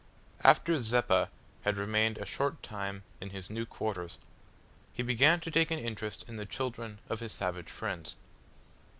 After Zeppa had remained a short time in his new quarters, he began to take an interest in the children of his savage friends.